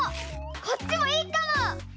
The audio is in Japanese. こっちもいいかも！